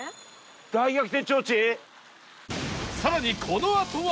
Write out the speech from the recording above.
更にこのあとは